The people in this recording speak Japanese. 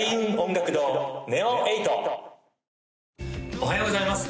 おはようございます